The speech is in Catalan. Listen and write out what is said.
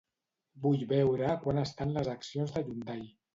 Vull veure a quant estan les accions de Hyundai.